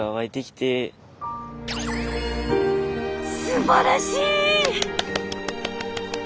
すばらしい！